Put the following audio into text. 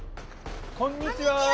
こんにちは！